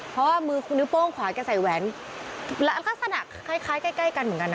เพราะว่ามือคุณนิ้วโป้งขวาแกใส่แหวนลักษณะคล้ายใกล้กันเหมือนกันนะ